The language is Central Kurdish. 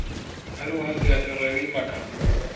هەروەها زیادەڕەویی مەکە